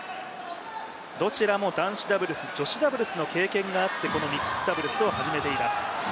どちらも男子ダブルス、女子ダブルスの経験があって、このミックスダブルスを始めています。